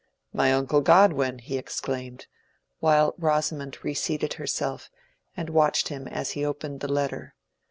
"My uncle Godwin!" he exclaimed, while Rosamond reseated herself, and watched him as he opened the letter.